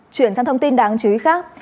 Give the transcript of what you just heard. chuyển sang thông tin đáng chú ý khác